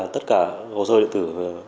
tất cả hồ sơ điện tử